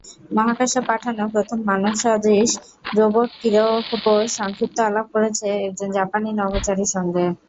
মহাকাশে পাঠানো প্রথম মানবসদৃশ রোবট কিরোবো সংক্ষিপ্ত আলাপ করেছে একজন জাপানি নভোচারীর সঙ্গে।